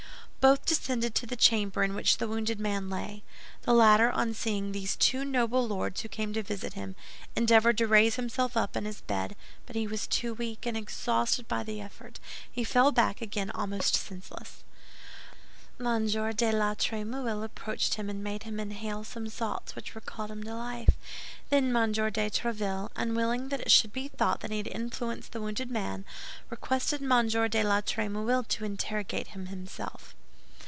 Both descended to the chamber in which the wounded man lay. The latter, on seeing these two noble lords who came to visit him, endeavored to raise himself up in his bed; but he was too weak, and exhausted by the effort, he fell back again almost senseless. M. de la Trémouille approached him, and made him inhale some salts, which recalled him to life. Then M. de Tréville, unwilling that it should be thought that he had influenced the wounded man, requested M. de la Trémouille to interrogate him himself.